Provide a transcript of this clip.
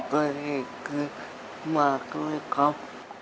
ดีขึ้นมากเลยครับ